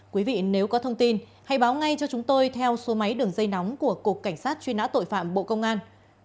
quý vị nếu có thông tin hãy báo ngay cho chúng tôi theo số máy đường dây nóng của cục cảnh sát truy nã tội phạm bộ công an